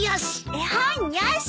絵本よし。